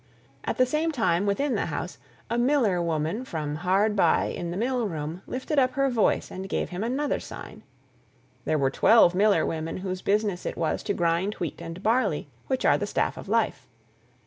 At the same time within the house, a miller woman from hard by in the mill room lifted up her voice and gave him another sign. There were twelve miller women whose business it was to grind wheat and barley which are the staff of life.